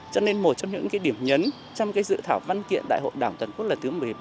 cho nên một trong những điểm nhấn trong dự thảo văn kiện đại hội đảng toàn quốc lần thứ một mươi ba